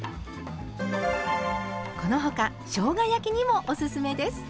この他しょうが焼きにもおすすめです。